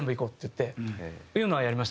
っていうのはやりましたね。